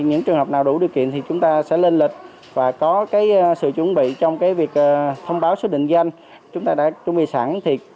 những trường hợp nào đủ điều kiện thì chúng ta sẽ lên lịch và có sự chuẩn bị trong việc thông báo số định danh chúng ta đã chuẩn bị sẵn